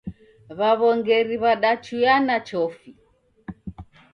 W'aw'ongeri w'adaghuyana chofi.